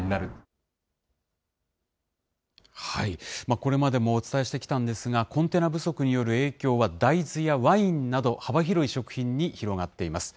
これまでもお伝えしてきたんですが、コンテナ不足による影響は大豆やワインなど、幅広い食品に広がっています。